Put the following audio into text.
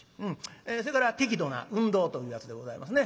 それから適度な運動というやつでございますね。